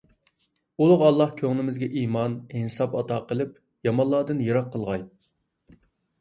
ئۇلۇغ ئاللاھ كۆڭلىمىزگە ئىمان، ئىنساب ئاتا قىلىپ، يامانلاردىن يىراق قىلغاي!